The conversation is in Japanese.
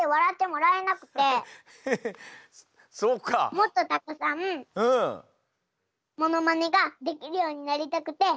もっとたくさんモノマネができるようになりたくて。